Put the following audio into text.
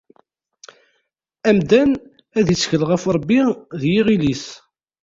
Amdan ad ittkel ɣef Rebbi d yiɣil-is.